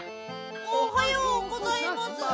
おはようございます。